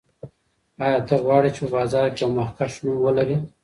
آیا ته غواړې چې په بازار کې یو مخکښ نوم ولرې؟